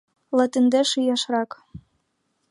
Латиндеш ияшрак...